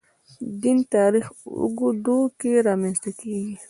دین تاریخ اوږدو کې رامنځته کېږي.